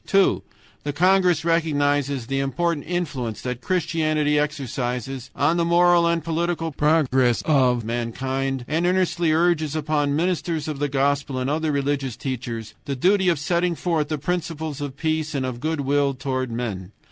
"2. The congress recognizes the important influence that Christianity exercises on the moral and political progress of mankind, and earnestly urges upon ministers of the Gospel and other religious teachers the duty of setting forth the principles of peace and good will toward men.